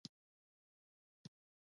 پاچا تل د خپلې سلامتيا په فکر کې وي .